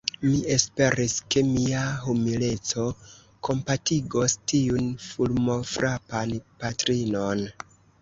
Mi esperis, ke mia humileco kompatigos tiun fulmofrapan patrinon.